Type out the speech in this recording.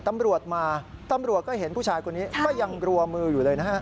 ตำรวจมาตำรวจก็เห็นผู้ชายคนนี้ก็ยังรัวมืออยู่เลยนะฮะ